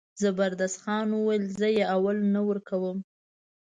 زبردست خان وویل زه یې اول نه ورکوم.